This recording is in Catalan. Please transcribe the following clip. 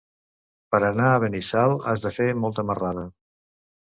Per anar a Benassal has de fer molta marrada.